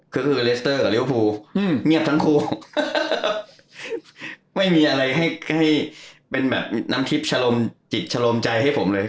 ก็คือเลสเตอร์กับลิวภูเงียบทั้งคู่ไม่มีอะไรให้ให้เป็นแบบน้ำทิพย์ชะลมจิตชะลมใจให้ผมเลย